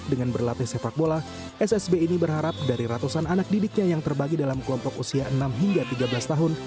dengan berlatih sepak bola ssb ini berharap dari ratusan anak didiknya yang terbagi dalam kelompok usia enam hingga tiga belas tahun